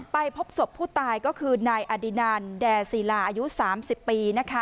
ไปพบศพผู้ตายก็คือนายอดินันแด่ศิลาอายุ๓๐ปี